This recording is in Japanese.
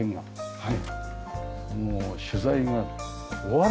はい。